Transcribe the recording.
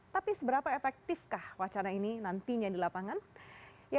tapi seberapa efektifkah wacana ini nantinya di lapangan